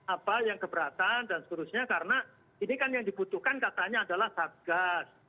apa yang keberatan dan seterusnya karena ini kan yang dibutuhkan katanya adalah satgas